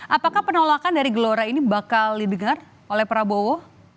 apakah penolakan dari gelora ini bakal didengar oleh prabowo